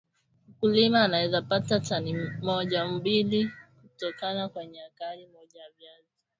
mkulima anaweza pata tani mojambili kautoka kwenywe hekari moja ya viazi